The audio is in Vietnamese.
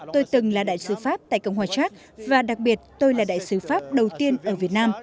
tôi từng là đại sứ pháp tại cộng hòa trác và đặc biệt tôi là đại sứ pháp đầu tiên ở việt nam